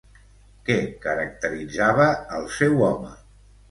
Què caracteritzava al seu home?